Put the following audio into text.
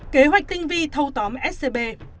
kế hoạch tinh vi thâu tóm scb